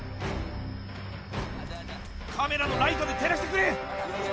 ・カメラのライトで照らしてくれ！